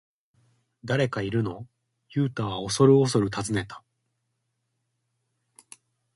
「誰かいるの？」ユウタはおそるおそる尋ねた。